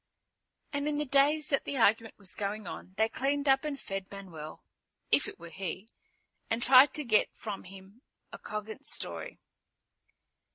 And in the days that the argument was going on, they cleaned up and fed Manuel, if it were he, and tried to get from him a cogent story.